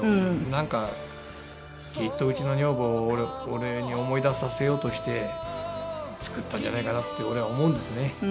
なんかきっとうちの女房を俺に思い出させようとして作ったんじゃないかなって俺は思うんですね。